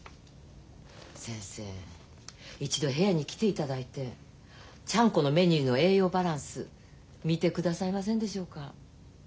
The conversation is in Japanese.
先生一度部屋に来ていただいてちゃんこのメニューの栄養バランス見てくださいませんでしょうか。